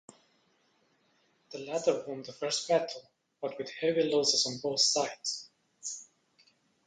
The latter won the first battle, but with heavy losses on both sides.